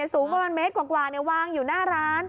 สูงประมาณเมตรกว่าวางอยู่หน้าร้าน